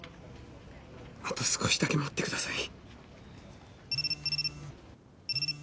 あと少しだけ待ってください。